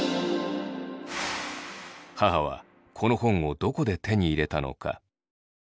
母はこの本をどこで手に入れたのか。